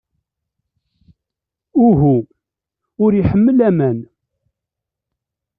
Uhu. Ur iḥemmel aman!